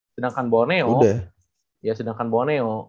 sedangkan borneo ya sedangkan boneo